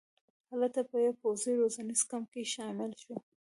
هلته په یوه پوځي روزنیز کمپ کې شامل شو.